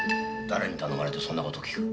誰に頼まれてそんなこと聞く？